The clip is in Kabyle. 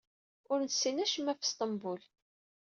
Ur nessin acemma ɣef Sṭembul.